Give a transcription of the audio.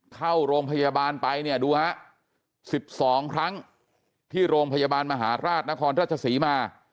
เข้าโรงพยาบาลไปเนี่ยดูฮะ๑๒ครั้งที่โรงพยาบาลมหาราชนครราชศรีมา